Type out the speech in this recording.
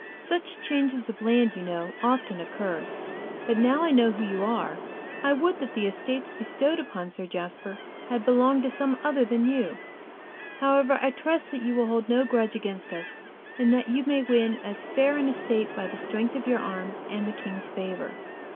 Such changes of land, you know, often occur, but now I know who you are, I would that the estates bestowed upon Sir Jasper had belonged to some other than you; however, I trust that you will hold no grudge against us, and that you may win as fair an estate by the strength of your arm and the king's favour."